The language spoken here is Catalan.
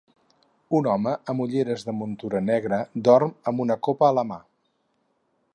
un home amb ulleres de muntura negra dorm amb una copa a la mà